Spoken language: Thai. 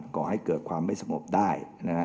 ก่อให้เกิดความไม่สงบได้